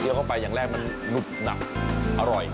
เลี้ยวเข้าไปแผงแรกมันหลุดหนักอร่อย